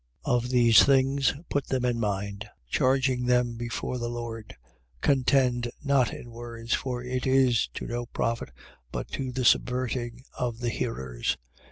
2:14. Of these things put them in mind, charging them before the Lord. Contend not in words: for it is to no profit, but to the subverting of the hearers.